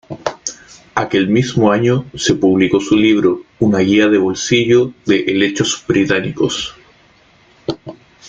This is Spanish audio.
Aquel mismo año, se publicó su libro "Una guía de bolsillo de helechos británicos".